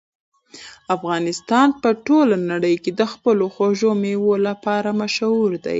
افغانستان په ټوله نړۍ کې د خپلو خوږو مېوو لپاره مشهور دی.